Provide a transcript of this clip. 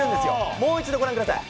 もう一度ご覧ください。